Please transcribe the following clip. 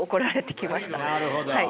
なるほど。